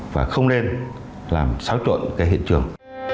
và không nên làm xáo trộn cái hiện trường